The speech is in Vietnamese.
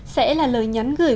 sẽ là lời nhắn gửi